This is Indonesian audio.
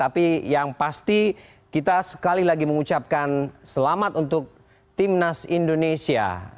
tapi yang pasti kita sekali lagi mengucapkan selamat untuk timnas indonesia